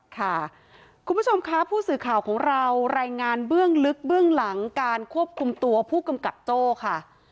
ค่ะคุณผู้ชมค่ะผู้สื่อข่าวของเรารายงานเบื้องลึกเบื้องหลังการควบคุมตัวผู้กำกับโจ้ค่ะ